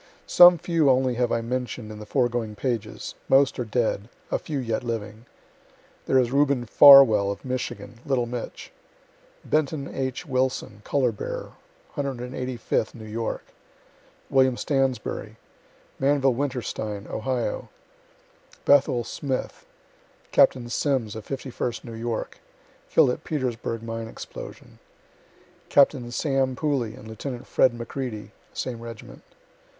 Some few only have I mention'd in the foregoing pages most are dead a few yet living. There is Reuben Farwell, of Michigan, (little "Mitch;") Benton H. Wilson, color bearer, 185th New York; Wm. Stansberry; Manvill Winterstein, Ohio; Bethuel Smith; Capt. Simms, of 51st New York, (kill'd at Petersburgh mine explosion,) Capt. Sam. Pooley and Lieut. Fred. McReady, same reg't.